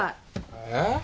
えっ！